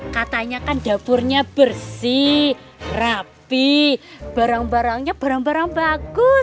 katanya kan dapurnya bersih rapi barang barangnya barang barang bagus